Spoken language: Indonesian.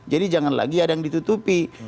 jadi jangan lagi ada yang ditutupi